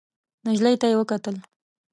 نجلۍ ته يې وکتل.